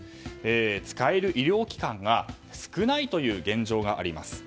使える医療機関が少ないという現状があります。